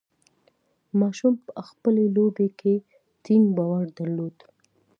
ماشوم په خپلې لوبې کې ټینګ باور درلود.